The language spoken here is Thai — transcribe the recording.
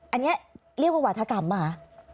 อันเองเรียกว่าวาธกรรมไหม